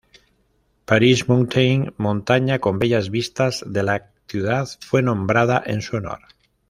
Paris Mountain, montaña con bellas vistas de la ciudad fue nombrada en su honor.